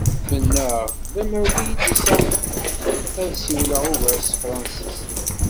Mennaɣ lemmer d iyi-d-iṣaḥ ad ssiwleɣ ugar s tefṛensist.